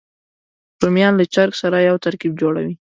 رومیان له چرګ سره یو ترکیب جوړوي